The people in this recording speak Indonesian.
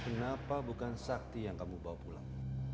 kenapa bukan sakti yang kamu bawa pulang